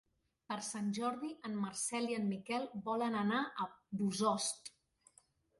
Per Sant Jordi en Marcel i en Miquel volen anar a Bossòst.